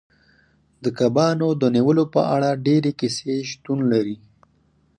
د کبانو د نیولو په اړه ډیرې کیسې شتون لري